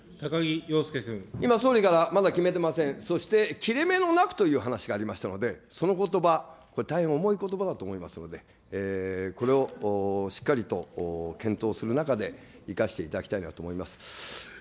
今、総理から、まだ決めてません、そして切れ目のなくという話がありましたので、そのことば、これ、大変重いことばだと思いますので、これをしっかりと検討する中で、生かしていただきたいなと思います。